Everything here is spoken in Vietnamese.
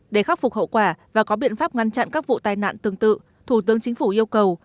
để khắc phục hậu quả và có biện pháp ngăn chặn các vụ tai nạn tương tự thủ tướng chính phủ yêu cầu